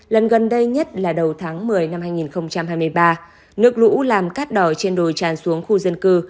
lần gần đây nhất là đầu tháng một mươi năm hai nghìn hai mươi ba nước lũ làm cát đỏ trên đồi tràn xuống khu dân cư